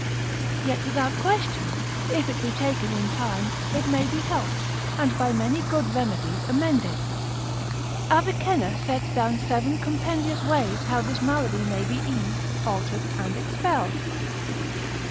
Yet without question, if it be taken in time, it may be helped, and by many good remedies amended. Avicenna, lib. 3. Fen. cap. 23. et 24. sets down seven compendious ways how this malady may be eased, altered, and expelled.